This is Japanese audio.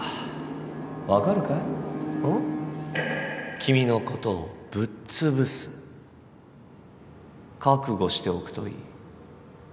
君のことをぶっつぶす覚悟しておくといい